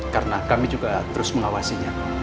karena kami juga terus mengawasinya